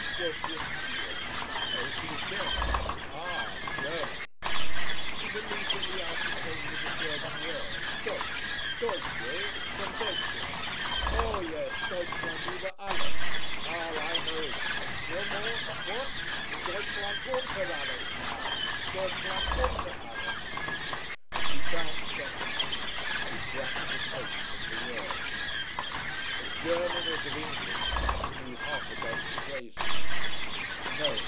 Was she Italian? No, she was German. Ah German. And immediately out he came with the German word: "Deutsch! Deutsch, eh? From Deutschland. Oh yes! Deutschland über alles! Ah, I know. No more what? Deutschland unter alles now? Deutschland unter alles." And he bounced on his seat with gratification of the words. Of German as of English he knew half a dozen phrases.